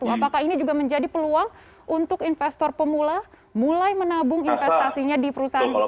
apakah ini juga menjadi peluang untuk investor pemula mulai menabung investasinya di perusahaan